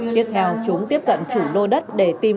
tiếp theo chúng tiếp cận chủ lô đất để tìm